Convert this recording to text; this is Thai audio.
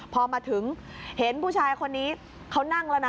พอมาถึงเห็นผู้ชายคนนี้เขานั่งแล้วนะ